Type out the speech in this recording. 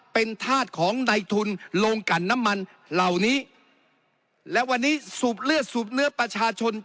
เป็นธาตุของในทุนโรงกันน้ำมันเหล่านี้และวันนี้สูบเลือดสูบเนื้อประชาชน